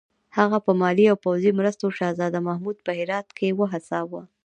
هغه په مالي او پوځي مرستو شهزاده محمود په هرات کې وهڅاوه.